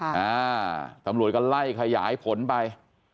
อ่าตำรวจก็ไล่ขยายผลไป